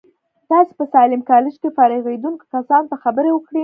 تاسې په ساليم کالج کې فارغېدونکو کسانو ته خبرې وکړې.